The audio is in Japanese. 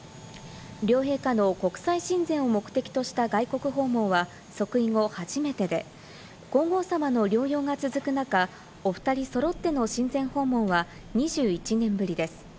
両陛下の国際親善を目的とした外国訪問は即位後初めてで、皇后さまの療養が続く中、お２人揃っての親善訪問は、２１年ぶりです。